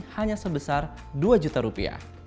hanya sebesar dua juta rupiah